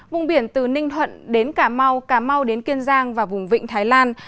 vùng biển từ ninh thuận đến cà mau cà mau đến kiên giang và vùng vịnh thái lan